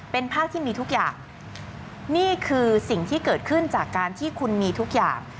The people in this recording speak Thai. เป็นภาพที่มีทุกอย่างนี่คือสิ่งที่เกิดขึ้นจากการที่คุณมีทุกอย่าง